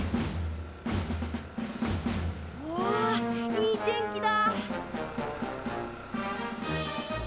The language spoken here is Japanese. おおいい天気だ。